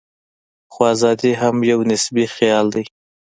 خو ازادي هم یو نسبي خیال دی.